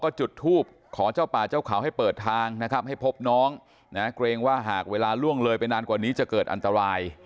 จุดทูบขอเจ้าป่าเจ้าเขาให้เปิดทางนะครับให้พบน้องนะเกรงว่าหากเวลาล่วงเลยไปนานกว่านี้จะเกิดอันตราย